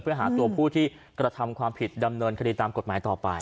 เพื่อหาตัวผู้ที่กระทำความผิดดำเนินคดีตามกฎหมายต่อไป